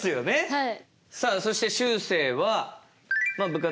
はい。